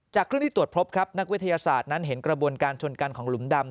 เครื่องที่ตรวจพบครับนักวิทยาศาสตร์นั้นเห็นกระบวนการชนกันของหลุมดำ